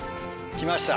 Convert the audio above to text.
きました。